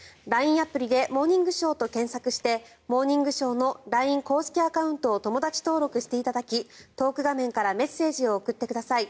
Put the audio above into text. アプリで「モーニングショー」と検索をして「モーニングショー」のＬＩＮＥ公式アカウントを友だち登録していただきトーク画面からメッセージを送ってください。